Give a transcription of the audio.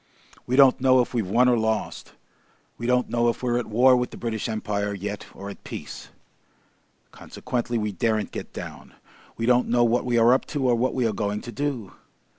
We don't know if we've won or lost. We don't know if we're at war with the British Empire yet or at peace. Consequently, we daren't get down. We don't know what we are up to or what we are going to do.